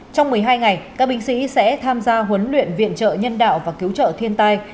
trong một mươi hai ngày các binh sĩ sẽ tham gia huấn luyện viện trợ nhân đạo và cứu trợ thiên tai